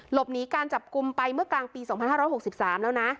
หลบหนีการจับกลุ่มไปเมื่อกลางปีสองพันห้าร้อยหกสิบสามแล้วนะ